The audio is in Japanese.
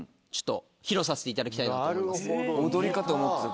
踊りかと思った。